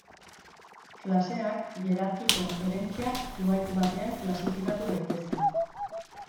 Klaseak, hierarkiko herentzia zuhaitz batean klasifikatu daitezke.